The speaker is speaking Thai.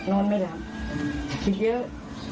นอนไม่หลับอีกเยอะ